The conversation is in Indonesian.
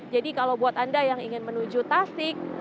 jadi kalau buat anda yang ingin menuju tasik